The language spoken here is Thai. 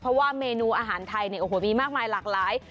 เพราะว่าเมนูอาหารไทยเนี่ยโอ้โหมีมากมายหลากหลาย